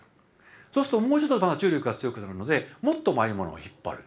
そうするともうちょっとまた重力が強くなるのでもっと周りのものを引っ張る。